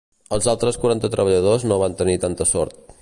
Els altres quaranta treballadors no van tenir tanta sort.